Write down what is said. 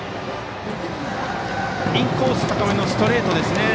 インコース高めのストレートでしたね。